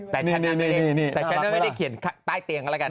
แต่ฉันแต่ฉันไม่ได้เขียนใต้เตียงกันแล้วกัน